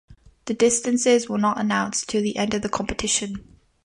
The distances were not announced until the end of the competition.